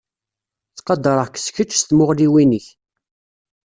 Ttqadareɣ-k s kečč s tmuɣliwin-ik.